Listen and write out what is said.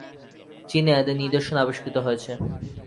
চীনে এদের নিদর্শন আবিষ্কৃত হয়েছে।